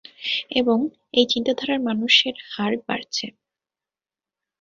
এবং, এই চিন্তাধারার মানুষের হার বাড়ছে।